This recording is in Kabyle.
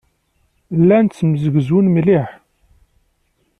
Llan ttemsegzun mliḥ.